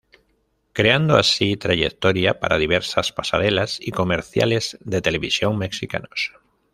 Creando así trayectoria para diversas pasarelas y comerciales de televisión mexicanos.